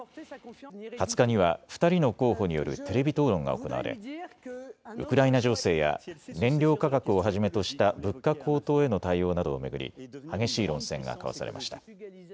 ２０日には２人の候補によるテレビ討論が行われウクライナ情勢や燃料価格をはじめとした物価高騰への対応などを巡り激しい論戦が交わされました。